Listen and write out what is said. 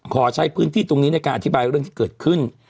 ขอใช้พื้นที่ตรงนี้ในการอธิบายเรื่องที่เกิดขึ้น